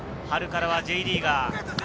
春からはＪリーガー。